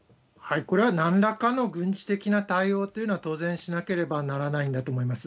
これはなんらかの軍事的な対応というのは当然しなければならないんだと思います。